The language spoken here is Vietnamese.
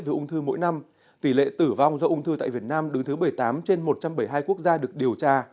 về ung thư mỗi năm tỷ lệ tử vong do ung thư tại việt nam đứng thứ một mươi tám trên một trăm bảy mươi hai quốc gia được điều tra